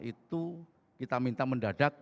itu kita minta mendadak